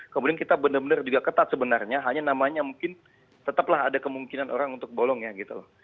kemudian kita benar benar juga ketat sebenarnya hanya namanya mungkin tetaplah ada kemungkinan orang untuk bolong ya gitu loh